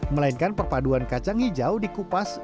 melainkan perpaduan kacang hijau dikupas